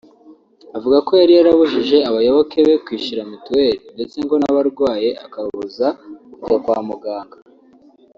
Avuga ko yari yarabujije abayoboke be kwishyura mituweli ndetse ngo n’abarwaye akababuza kujya kwa muganga